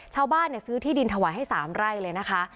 ซื้อที่ดินถวายให้๓ไร่เลยนะคะ